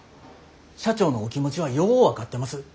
社長のお気持ちはよう分かってます。